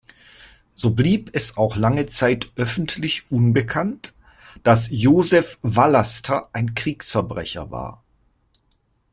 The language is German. So blieb es auch lange Zeit öffentlich unbekannt, dass Josef Vallaster ein Kriegsverbrecher war.